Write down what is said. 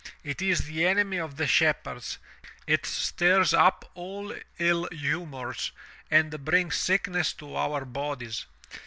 It is the enemy of the shepherds, it stirs up all ill humors, and brings sickness to our bodies.